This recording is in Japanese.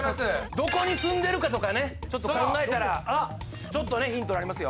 どこにすんでるかとかねちょっと考えたらちょっとねヒントになりますよ